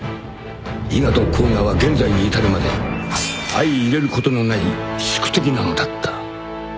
［伊賀と甲賀は現在に至るまで相いれることのない宿敵なのだった］